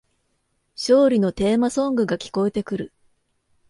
勝利のテーマソングが聞こえてくる